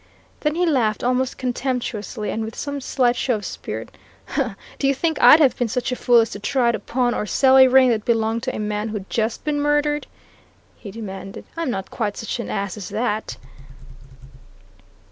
Then he laughed almost contemptuously, and with some slight show of spirit. "Do you think I'd have been such a fool as to try to pawn or sell a ring that belonged to a man who'd just been murdered?" he demanded. "I'm not quite such an ass as that!"